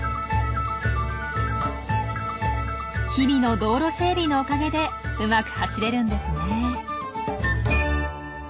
日々の道路整備のおかげでうまく走れるんですね。